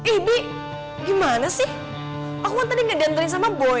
ibi gimana sih aku kan tadi gak diantarin sama boy